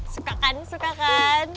suka kan suka kan